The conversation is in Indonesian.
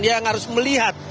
dia yang harus melihat